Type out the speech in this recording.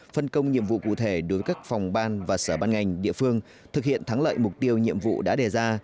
phân công nhiệm vụ cụ thể đối với các phòng ban và sở ban ngành địa phương thực hiện thắng lợi mục tiêu nhiệm vụ đã đề ra